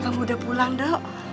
kamu udah pulang dok